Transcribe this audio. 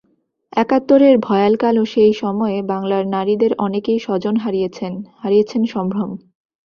একাত্তরের ভয়াল কালো সেই সময়ে বাংলার নারীদের অনেকেই স্বজন হারিয়েছেন, হারিয়েছেন সম্ভ্রম।